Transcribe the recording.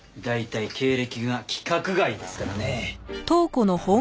大体経歴が規格外ですからね。